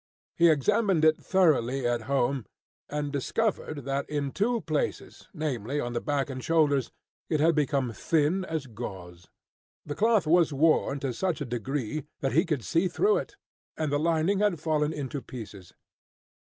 He examined it thoroughly at home, and discovered that in two places, namely, on the back and shoulders, it had become thin as gauze. The cloth was worn to such a degree that he could see through it, and the lining had fallen into pieces.